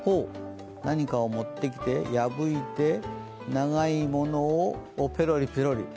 何かを持ってきて、破いて長いものをペロリペロリ。